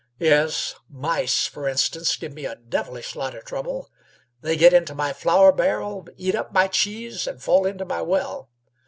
"Yes. Mice, f'r instance, give me a devilish lot o' trouble. They get into my flour barrel, eat up my cheese, an' fall into my well.